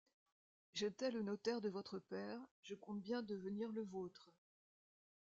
J'étais le notaire de votre père, je compte bien devenir le vôtre.